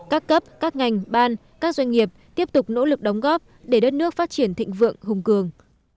các cấp các ngành ban các doanh nghiệp tiếp tục nỗ lực đóng góp để đất nước phát triển thịnh vượng hùng cường